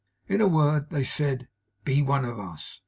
In a word, they said 'Be one of us!